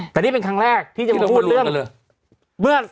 แต่นี่เป็นครั้งแรกที่จะมาพูดเรื่อง